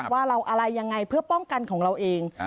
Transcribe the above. ว่าเราอะไรยังไงเพื่อป้องกันของเราเอง